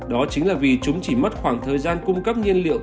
đó chính là vì chúng chỉ mất khoảng thời gian cung cấp nhiên liệu